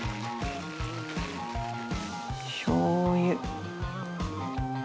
しょう油。